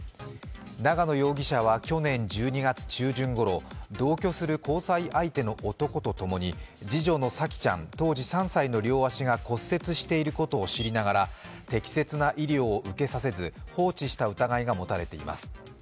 長野容疑者は去年１２月中旬ごろ、同居する交際相手の男と共に次女の沙季ちゃん当時３歳の両足が骨折していることを知りながら適切な医療を受けさせず放置した疑いが持たれています。